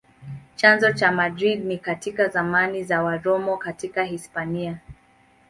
Chanzo cha Madrid ni katika zamani za Waroma katika Hispania.